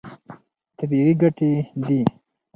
طبیعي ګټې دي.